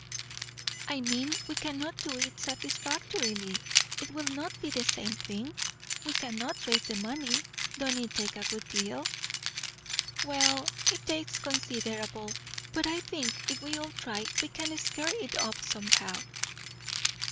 "I mean, we cannot do it satisfactorily. It will not be the same thing. We cannot raise the money. Don't it take a good deal?" "Well, it takes considerable. But I think, if we all try, we can scare it up somehow."